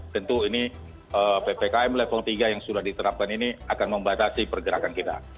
tentu ini ppkm level tiga yang sudah diterapkan ini akan membatasi pergerakan kita